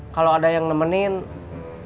kalau ada yang nemenin